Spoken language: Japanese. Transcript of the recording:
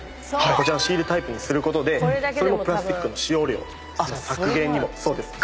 こちらのシールタイプにすることでそれもプラスチックの使用量削減にも。